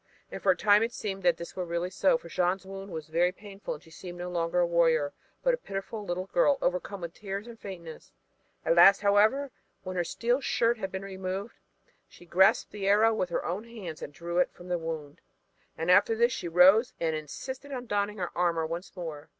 And for a time it seemed as if this really were so, for Jeanne's wound was very painful and she seemed no longer a warrior, but a pitiful little girl, overcome with tears and faintness. At last, however, when her steel shirt had been removed, she grasped the arrow with her own hands and drew it from the wound. And after this she rose and insisted on donning her armor once more.